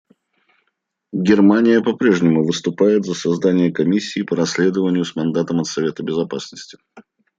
Германия по-прежнему выступает за создание комиссии по расследованию с мандатом от Совета Безопасности.